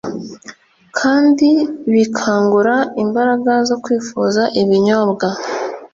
kandi bikangura imbaraga zo kwifuza ibinyobwa